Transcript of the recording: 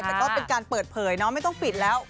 แต่ก็เป็นการเปิดเผยเนาะไม่ต้องปิดแล้ว